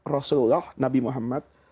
rasulullah nabi muhammad